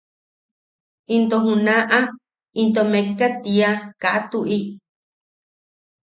Into junaʼa into mekka tiia –Kaa tuʼi.